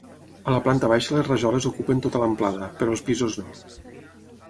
A la planta baixa les rajoles ocupen tota l'amplada, però als pisos no.